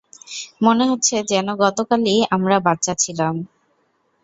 মনে হচ্ছে, যেন গতকালই আমরা বাচ্চা ছিলাম।